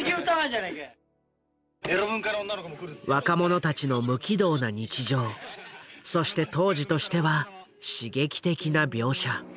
若者たちの無軌道な日常そして当時としては刺激的な描写。